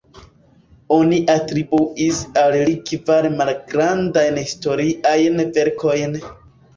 Oni atribuis al li kvar malgrandajn historiajn verkojn.